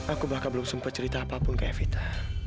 aku bahkan belum sempat cerita apapun ke evita